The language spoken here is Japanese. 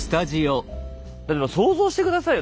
想像して下さいよ。